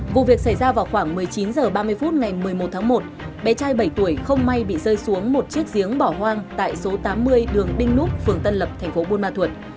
vụ việc xảy ra vào khoảng một mươi chín h ba mươi phút ngày một mươi một tháng một bé trai bảy tuổi không may bị rơi xuống một chiếc giếng bỏ hoang tại số tám mươi đường đinh núp phường tân lập thành phố buôn ma thuột